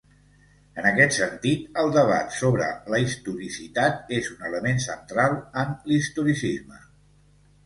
En aquest sentit el debat sobre la historicitat és un element central en l’historicisme.